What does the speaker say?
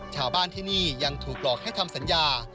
ชาวบ้านที่นี่ยังถูกหลอกให้ทำสัญญา